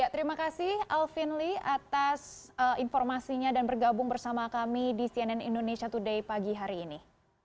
terima kasih alvin lee atas informasinya dan bergabung bersama kami di cnn indonesia today pagi hari ini